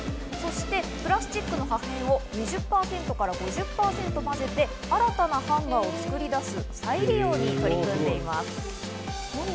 そしてプラスチックの破片を２０％から５０％混ぜて、新たなハンガーを作り出す再利用に取り組んでいます。